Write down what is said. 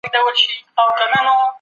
ښه ذهنیت ډار نه زیاتوي.